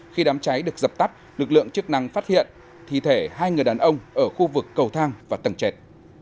khi đám cháy được dập tắt lực lượng chức năng phát hiện thi thể hai người đàn ông ở khu vực cầu thang và tầng trệt